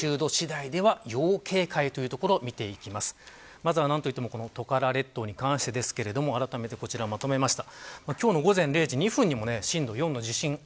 まずはトカラ列島に関してですがあらためてこちらまとめました。